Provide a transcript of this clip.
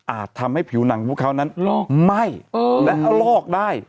อาจทำให้ผิวหนังพวกเขานั้นลอกไม่เออและลอกได้